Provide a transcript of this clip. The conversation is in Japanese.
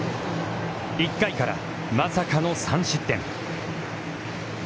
１回からまさかの３失点。